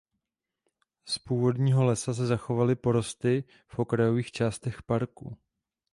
Z původního lesa se zachovaly porosty v okrajových částech parku.